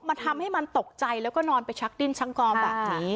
ทำให้มันตกใจแล้วก็นอนไปชักดิ้นชักกอมแบบนี้